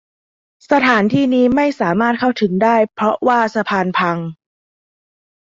สถานที่นี้ไม่สามารถเข้าถึงได้เพราะว่าสะพานพัง